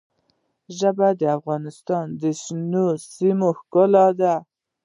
ژبې د افغانستان د شنو سیمو ښکلا ده.